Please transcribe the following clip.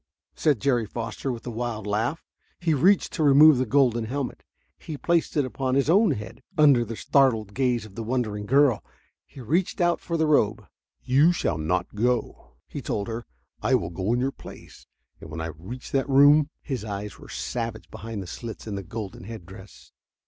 said Jerry Foster, with a wild laugh. He reached to remove the golden helmet. He placed it upon his own head, under the startled gaze of the wondering girl. He reached out for the robe. "You shall not go," he told her. "I will go in your place. And when I reach that room...." His eyes were savage behind the slits in the golden head dress.